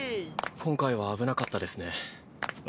今回は危なかったですね。